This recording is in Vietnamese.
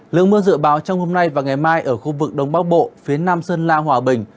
lượng mưa dự báo trong hôm nay và ngày mai ở khu vực đông bắc bộ phía nam sơn la hòa bình